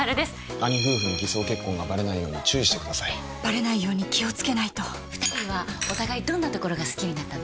兄夫婦に偽装結婚がバレないように注意してくださいバレないように気をつけないと二人はお互いどんな所が好きになったの？